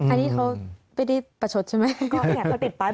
อันนี้เขาติดป้ายแบบนี้